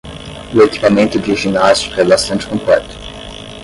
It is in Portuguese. O equipamento de ginástica é bastante completo.